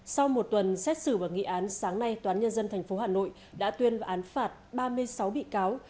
sau một tuần xét xử và nghị án sáng nay toán nhân dân tp hà nội đã tuyên vào án phạt ba mươi sáu bị cáo